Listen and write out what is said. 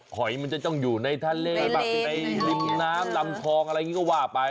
หอยมันจะอยู่ในทะเลในริมน้ำลำคองห่อยไป